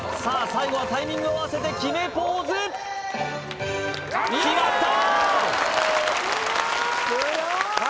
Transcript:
最後はタイミングを合わせて決めポーズ決まった！